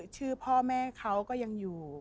ชื่อพ่อแม่เขาก็ยังอยู่